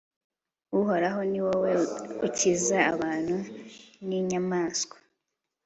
uhoraho, ni wowe ukiza abantu n'inyamaswa